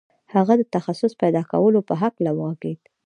هغه د تخصص پیدا کولو په هکله وغږېد